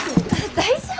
大丈夫？